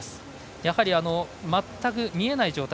やはり全く見えない状態